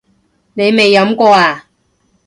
你未飲過呀？